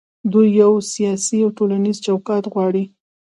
دوی یو سیاسي او ټولنیز چوکاټ غواړي.